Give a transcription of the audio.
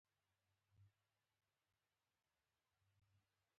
ده وويل پيدا به شي.